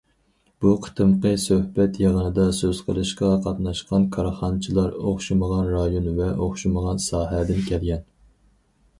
بۇ قېتىمقى سۆھبەت يىغىنىدا سۆز قىلىشقا قاتناشقان كارخانىچىلار ئوخشىمىغان رايون ۋە ئوخشىمىغان ساھەدىن كەلگەن.